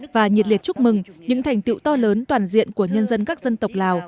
và nhiệt liệt chúc mừng những thành tiệu to lớn toàn diện của nhân dân các dân tộc lào